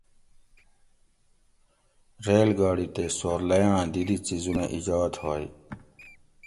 ریل گاڑی تے سورلئی آۤں دی دی څیزونہ ایجاد ہوگ